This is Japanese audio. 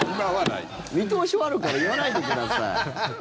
見通しはあるから言わないでください。